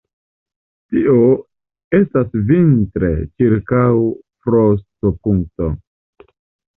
Tio estas vintre ĉirkaŭ frostopunkto.